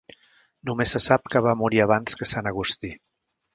Només se sap que va morir abans que Sant Agustí.